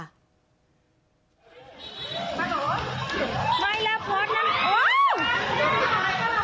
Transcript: หู้